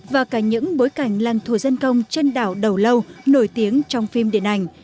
và cả những bối cảnh làng thùa dân công trên đảo đầu lâu nổi tiếng trong phim điện ảnh